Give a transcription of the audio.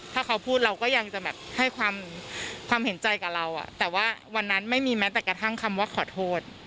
ถ้าเขาพูดเราก็ยังจะแบบให้ความเห็นใจกับเราแต่ว่าวันนั้นไม่มีแม้แต่กระทั่งคำว่าขอโทษ